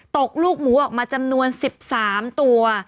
ตกลูกหมูออกมาจำนวน๑๓ตัว